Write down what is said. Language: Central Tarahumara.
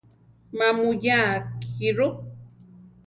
Má muyaa akí ru.